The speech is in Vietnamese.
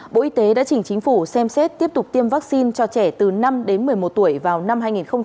bộ y tế đã chỉnh chính phủ xem xét tiếp tục tiêm vaccine cho trẻ từ năm đến một mươi một tuổi vào năm hai nghìn hai mươi